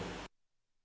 để đấu tranh